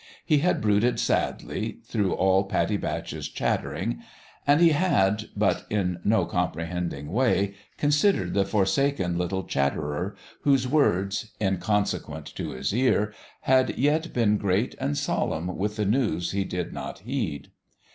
He had brooded sadly, through all Pattie Batch's chatter ing ; and he had, but in no comprehending way, considered the forsaken little chatterer, whose words, inconsequent to his ear, had yet been great and solemn with the news he did not heed.